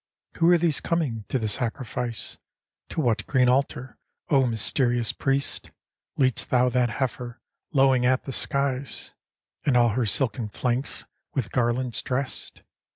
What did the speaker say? Who are these coming to the sacrifice? To what green altar, O mysterious priest, Lead'st thou that heifer lowing at the skies. And all her silken flanks with garlands drest?